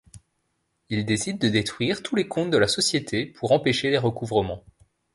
Il décide de détruire tous les comptes de la société pour empêcher les recouvrements.